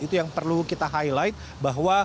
itu yang perlu kita highlight bahwa